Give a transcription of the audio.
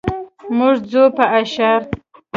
موږ ځو په اشر.